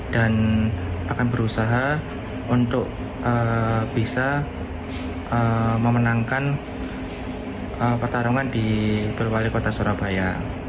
dan akan berusaha untuk bisa memenangkan pertarungan di pil wali kota surabaya